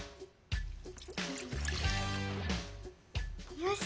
よし。